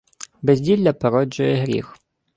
Безділля породжує гріх.